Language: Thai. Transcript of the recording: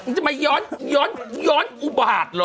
ในรายการจะเย้นอุบาหักเหรอ